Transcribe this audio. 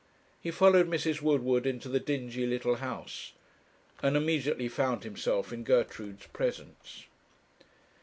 He followed Mrs. Woodward into the dingy little house, and immediately found himself in Gertrude's presence.